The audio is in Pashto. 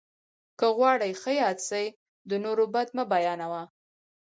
که غواړې ښه یاد سې، د نور بد مه بيانوه!